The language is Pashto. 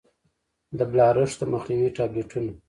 د بلاربښت د مخنيوي ټابليټونه